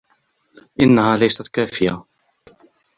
انها ليست كافيه